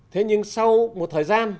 thế nhưng sau một thời gian